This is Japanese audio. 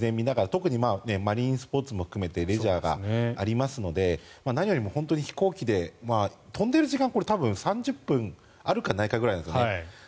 特にマリンスポーツも含めてレジャーがありますので何よりも飛行機で飛んでる時間は３０分あるかないかぐらいなんですよね